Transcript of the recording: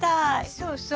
そうそう。